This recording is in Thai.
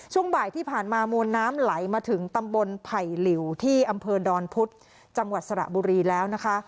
ช่วงบ่ายที่ผ่านมามวลน้ำไหลมาถึงตำบลไผ่หลิวที่อำเภอดอนพุธจังหวัดสระบุรีแล้วนะคะ